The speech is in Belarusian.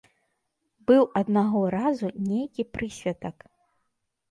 Быў аднаго разу нейкі прысвятак.